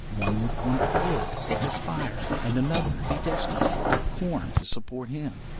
One would want wood for his fire, and another be destitute of corn to support him.